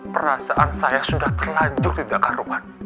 perasaan saya sudah terlanjur tindakarungan